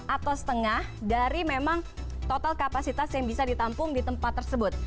atau setengah dari memang total kapasitas yang bisa ditampung di tempat tersebut